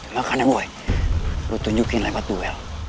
makanya gue tunjukin lewat duel